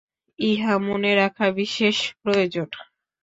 ইহা মনে রাখা বিশেষ প্রয়োজন।